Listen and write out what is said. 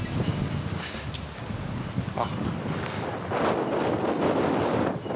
あっ。